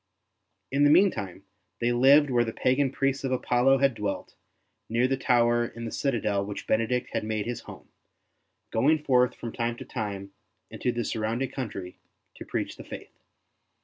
In the meantime they lived where the pagan priests of Apollo had dwelt, near the tower in the citadel which Benedict had made his home, going forth from time to time 6o ST. BENEDICT into the surrounding country to preach the faith.